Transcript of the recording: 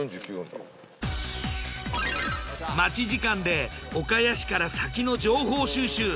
待ち時間で岡谷市から先の情報収集。